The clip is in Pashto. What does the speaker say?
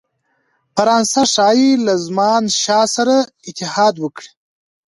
فرانسه ښايي له زمانشاه سره اتحاد وکړي.